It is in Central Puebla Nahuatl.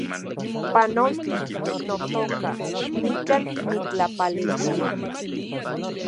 Panolti, notoka, nikan nitlapaleuia